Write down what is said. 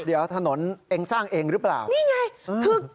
เดี๋ยวถนนแบบ